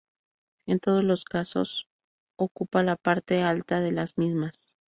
En todos los caso ocupa la parte alta de las mismas.